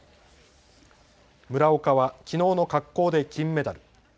村岡はきのうの滑降で金メダル。